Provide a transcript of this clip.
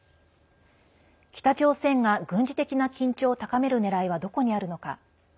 北朝鮮が軍事的な緊張を高めるねらいはどこにあるのか。